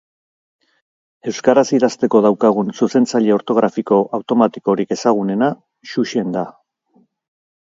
Euskaraz idazteko daukagun zuzentzaile ortografiko automatikorik ezagunena Xuxen da.